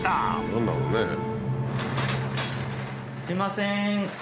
すいません。